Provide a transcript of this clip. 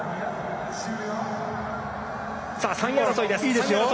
３位争いです。